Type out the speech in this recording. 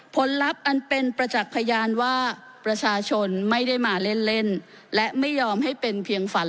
ลับอันเป็นประจักษ์พยานว่าประชาชนไม่ได้มาเล่นเล่นและไม่ยอมให้เป็นเพียงฝัน